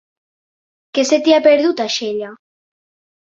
Què se t'hi ha perdut, a Xella?